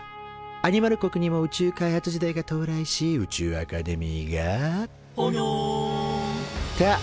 アニマル国にも宇宙開発時代が到来し宇宙アカデミーが「ぽにょん」と誕生。